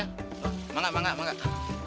tuh mengangkat mengangkat mengangkat